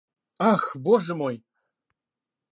Ах, Боже мой!